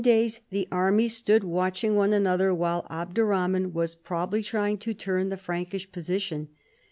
days the armies stood watching one another, while Abderrahman was probably trying to turn the Prankish position.